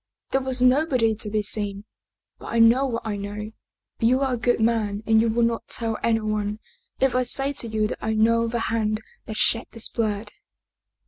There was nobody to be seen. But I know what I know. You are a good man and you will not tell anyone if I say to you that I know the hand that shed this blood."